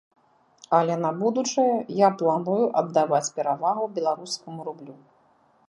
Але на будучае я планую аддаваць перавагу беларускаму рублю.